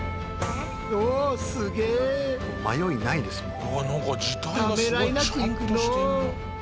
迷いないですよね。